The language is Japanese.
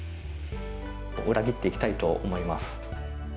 裏切っていきたいと思います。